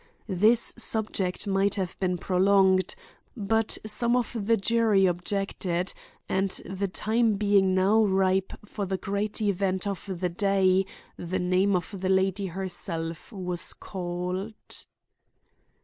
This subject might have been prolonged, but some of the jury objected, and the time being now ripe for the great event of the day, the name of the lady herself was called.